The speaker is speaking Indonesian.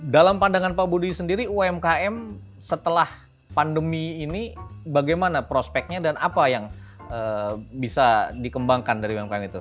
dalam pandangan pak budi sendiri umkm setelah pandemi ini bagaimana prospeknya dan apa yang bisa dikembangkan dari umkm itu